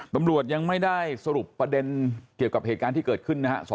ตำรวจยังไม่ได้สรุปประเด็นเกี่ยวกับเหตุการณ์ที่เกิดขึ้นนะครับ